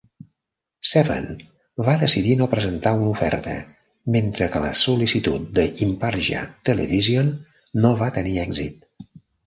Seven va decidir no presentar una oferta, mentre que la sol·licitud d'Imparja Television no va tenir èxit.